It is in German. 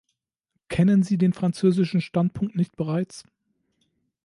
Kennen Sie den französischen Standpunkt nicht bereits?